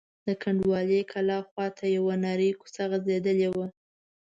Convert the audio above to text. د کنډوالې کلا خواته یوه نرۍ کوڅه غځېدلې وه.